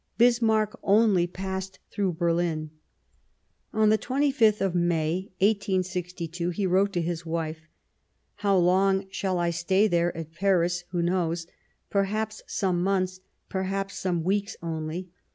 Bismarck only passed through BerHn. On the 25th of May, 1862, he wrote to his wife :" How long shall I stay there [at Paris] ? Who knows ? Perhaps some months ; perhaps some weeks only.